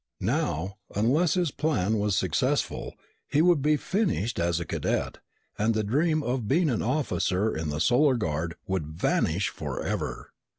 Now, unless his plan was successful, he would be finished as a cadet and the dream of being an officer in the Solar Guard would vanish forever.